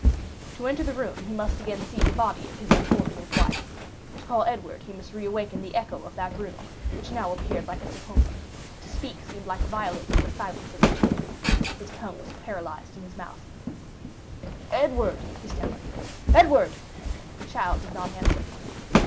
To enter the room he must again see the body of his unfortunate wife. To call Edward he must reawaken the echo of that room which now appeared like a sepulchre; to speak seemed like violating the silence of the tomb. His tongue was paralyzed in his mouth. "Edward!" he stammered—"Edward!" The child did not answer.